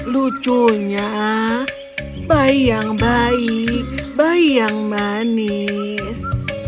lucunya bayi yang baik bayi yang manis